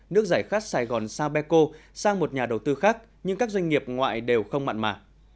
nước giải khát sài gòn sapeco sang một nhà đầu tư khác nhưng các doanh nghiệp ngoại đều không mặn mà